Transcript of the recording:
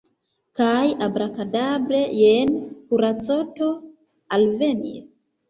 Kaj abrakadabre – jen kuracoto alvenis.